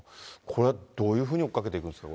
これ、どういうふうに追っかけていくんですか？